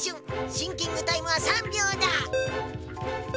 シンキングタイムは３びょうだ！